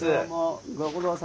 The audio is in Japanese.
ご苦労さんです。